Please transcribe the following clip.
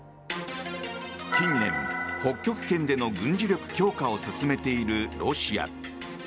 近年、北極圏での軍事力強化を進めているロシア。